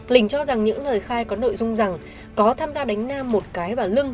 linh cho rằng những lời khai có nội dung rằng có tham gia đánh nam một cái vào lưng